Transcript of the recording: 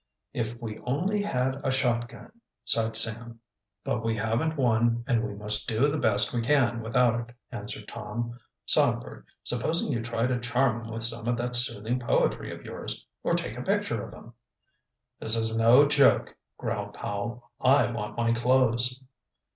"If we only had a shot gun," sighed Sam. "But we haven't one and we must do the best we can without it," answered Tom. "Songbird, supposing you try to charm 'em with some of that soothing poetry of yours. Or take a picture of 'em." "This is no joke," growled Powell. "I want my clothes."